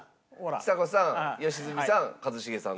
ちさ子さん良純さん一茂さん。